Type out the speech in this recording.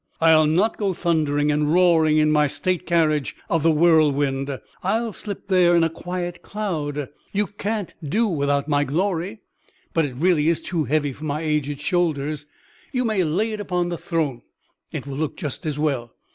I'll not go thundering and roaring in my state carriage of the whirlwind; I'll slip there in a quiet cloud. You can't do without my glory, but it really is too heavy for my aged shoulders; you may lay it upon the throne; it will look just as well.